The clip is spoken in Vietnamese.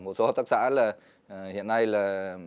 một số hợp tác xã là hiện nay là